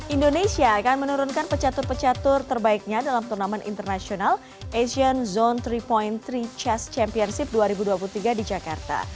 indonesia akan menurunkan pecatur pecatur terbaiknya dalam turnamen internasional asian zone tiga tiga chest championship dua ribu dua puluh tiga di jakarta